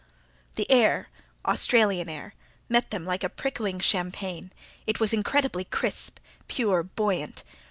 The air, Australian air, met them like a prickling champagne: it was incredibly crisp, pure, buoyant.